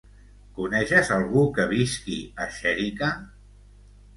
Coneixes algú que visqui a Xèrica?